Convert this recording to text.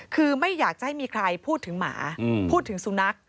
คือไม่อยากจะให้มีใครพูดถึงหมาพูดถึงสุนัข